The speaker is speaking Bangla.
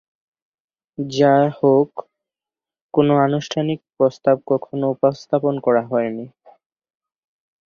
যাহোক, কোন আনুষ্ঠানিক প্রস্তাব কখনও উপস্থাপন করা হয়নি।